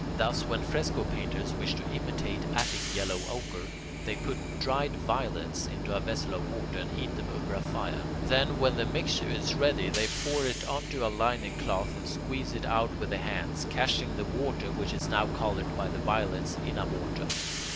Thus, when fresco painters wish to imitate Attic yellow ochre, they put dried violets into a vessel of water, and heat them over a fire; then, when the mixture is ready, they pour it onto a linen cloth, and squeeze it out with the hands, catching the water which is now coloured by the violets, in a mortar.